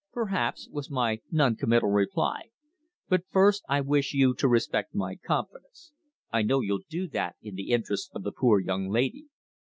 "Perhaps," was my non committal reply. "But first, I wish you to respect my confidence. I know you'll do that in the interests of the poor young lady."